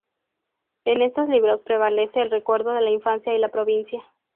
En estos libros prevalece el recuerdo de la infancia y la provincia.